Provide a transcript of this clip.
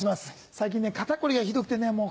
最近肩凝りがひどくてねもう。